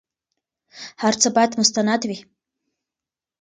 هر څه بايد مستند وي.